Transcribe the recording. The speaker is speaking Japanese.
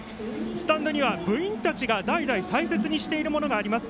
スタンドには部員たちが代々大切にしているものがあります。